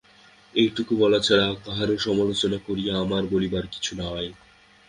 এইটুকু বলা ছাড়া কাহারও সমালোচনা করিয়া আমার বলিবার কিছু নাই।